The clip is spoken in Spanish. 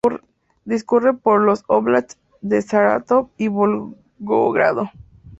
Discurre por los "óblasts" de Sarátov y Volgogrado.